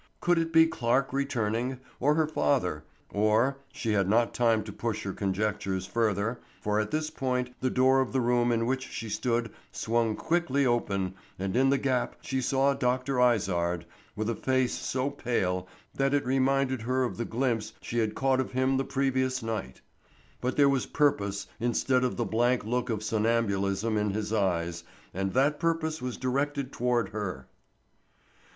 Could it be Clarke returning, or her father, or—she had not time to push her conjectures further, for at this point the door of the room in which she stood swung quickly open and in the gap she saw Dr. Izard, with a face so pale that it reminded her of the glimpse she had caught of him the previous night. But there was purpose instead of the blank look of somnambulism in his eyes, and that purpose was directed toward her.